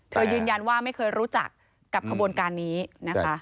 ยืนยันว่าไม่เคยรู้จักกับขบวนการนี้นะคะ